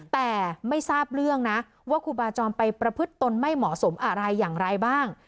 แต่ไม่ทราบเรื่องนะว่าครูบาจอมไปประพฤติตนไม่เหมาะสมอะไรอย่างไรบ้าง